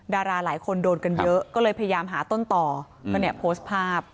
ดาราหลายคนโดนกันเยอะก็เลยพยายามหาต้นต่อก็เนี่ยโพสต์ภาพ